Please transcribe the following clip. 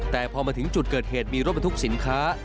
แต่พอมาถึงจุดเกิดเหตุมีรถบรรทุกสินค้า